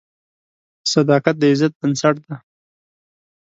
صداقت د عزت بنسټ دی.